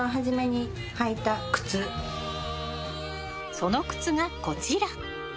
その靴が、こちら。